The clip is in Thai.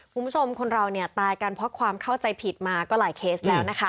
คุณผู้ชมคนเราเนี่ยตายกันเพราะความเข้าใจผิดมาก็หลายเคสแล้วนะคะ